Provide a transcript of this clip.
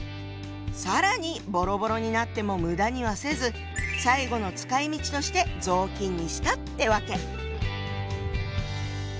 更にボロボロになっても無駄にはせず最後の使いみちとして雑巾にしたってわけ。